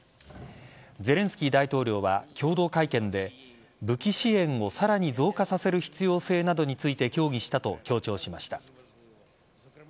ゼレンスキー大統領は共同会見で武器支援をさらに増加させる必要性などについて協議したと強調しました。